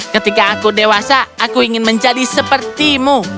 ketika aku dewasa aku ingin menjadi sepertimu